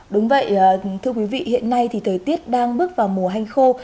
đúng vậy thưa quý vị hiện nay thì thời tiết đang bước vào mùa hanh khô